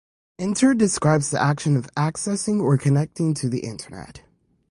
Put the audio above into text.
"Enter" describes the action of accessing or connecting to the Internet.